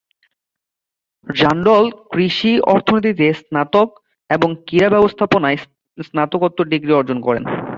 Randall কৃষি-অর্থনীতিতে স্নাতক এবং ক্রীড়া ব্যবস্থাপনায় স্নাতকোত্তর ডিগ্রি অর্জন করেন।